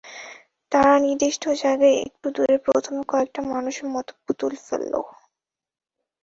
তারা নির্দিষ্ট জায়গার একটু দূরে প্রথমে কয়েকটা মানুষের মতো পুতুল ফেলল।